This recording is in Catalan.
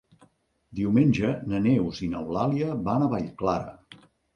Diumenge na Neus i n'Eulàlia van a Vallclara.